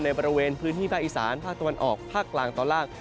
บริเวณพื้นที่ภาคอีสานภาคตะวันออกภาคกลางตอนล่าง